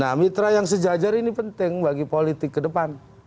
nah mitra yang sejajar ini penting bagi politik ke depan